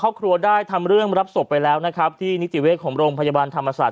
ครอบครัวได้ทำเรื่องรับศพไปแล้วนะครับที่นิติเวชของโรงพยาบาลธรรมศาสต